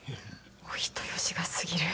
お人よしが過ぎる。